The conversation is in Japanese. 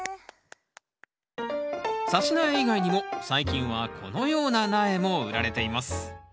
さし苗以外にも最近はこのような苗も売られています